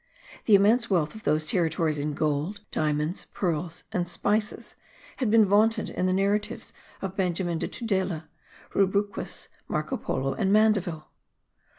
The immense wealth of those territories in gold, diamonds, pearls and spices had been vaunted in the narratives of Benjamin de Tudela, Rubruquis, Marco Polo and Mandeville.